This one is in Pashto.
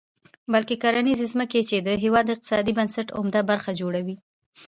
بلکې کرنیزې ځمکې، چې د هېواد د اقتصادي بنسټ عمده برخه جوړوي.